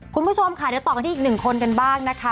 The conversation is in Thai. คุณผู้ชมค่ะเดี๋ยวต่อกันที่อีกหนึ่งคนกันบ้างนะคะ